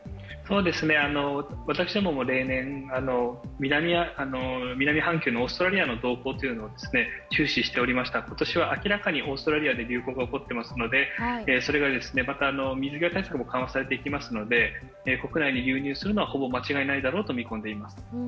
私どもも例年、南半球のオーストラリアの動向を中止しておりました、今年は明らかにオーストラリアで流行が起こってますので、それがまた水際対策も緩和されていきますので国内に流入するのはほぼ間違いないだろうと見込んでいます。